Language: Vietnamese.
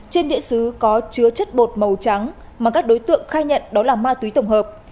trên địa xứ có chứa chất bột màu trắng mà các đối tượng khai nhận đó là ma túy tổng hợp